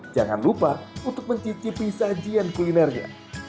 jangan lupa untuk mencicipi sajian kulinernya